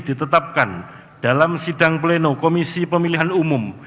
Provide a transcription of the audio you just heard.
ditetapkan dalam sidang pleno komisi pemilihan umum